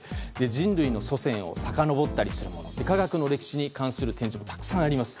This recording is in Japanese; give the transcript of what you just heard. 人類の祖先をさかのぼったりするものや科学の歴史に関する展示もたくさんあります。